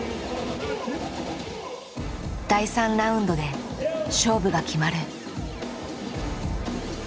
第３ラウンドで勝負が決まる。